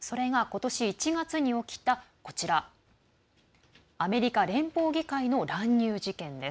それがことし１月に起きたアメリカ連邦議会の乱入事件です。